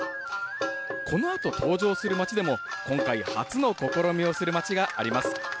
このあと登場する町でも、今回初の試みをする町があります。